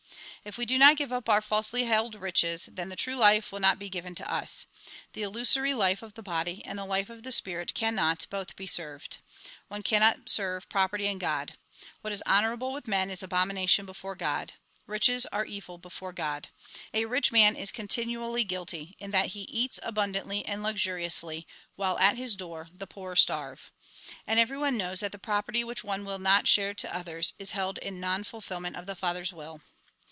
If we do not give up our falsely held riches, then the true life will not be given to us. The illusory life of the body, and the life of the spirit, cannot both be served. One cannot serve property and God. What is honourable with men, is abomination before God. Eiches are evil before God. A rich man is continually guilty, in that he eats abimdantly and luxuriously, while at his door the poor starve. And everyone knows that the property which one will not share to others, is held in non fulfilment of the Father's will.